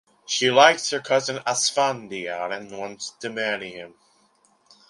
She likes her cousin Asfandyar and wants to marry him.